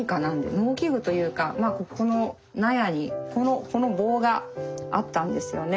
農機具というかここの納屋にこの棒があったんですよね。